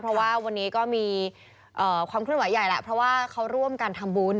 เพราะว่าวันนี้ก็มีความเคลื่อนไหวใหญ่แหละเพราะว่าเขาร่วมกันทำบุญ